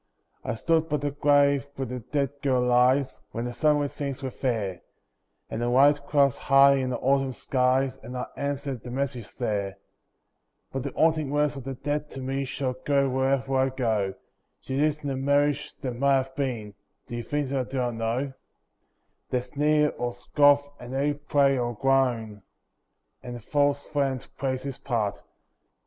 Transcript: I stood by the grave where the dead girl lies, When the sunlit scenes were fair, And the white clouds high in the autumn skies, And I answered the message there. But the haunting words of the dead to me Shall go wherever I go. She lives in the Marriage that Might Have Been— Do you think that I do not know? They sneer or scoff, and they pray or groan, And the false friend plays his part.